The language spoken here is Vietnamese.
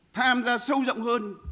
tham gia sâu rộng hơn